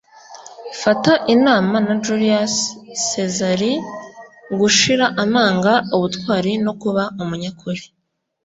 fata inama na julius sezari gushira amanga, ubutwari no kuba umunyakuri